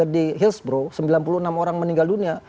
di hillsbro sembilan puluh enam orang meninggal dunia